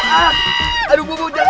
jangan di jembat ibu saya bu